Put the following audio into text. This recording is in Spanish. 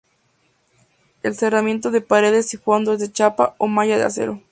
El cerramiento de paredes y fondo es de chapa o malla de acero.